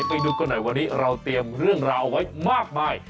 ไปดูกันหน่อยวันนี้เราเตรียมเรื่องราวเอาไว้มากมาย